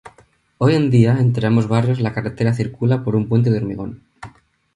Hoy en día entre ambos barrios la carretera circula por un puente de hormigón.